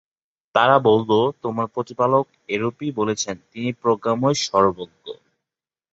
তারা বলল, তোমার প্রতিপালক এরূপই বলেছেন, তিনি প্রজ্ঞাময়, সর্বজ্ঞ।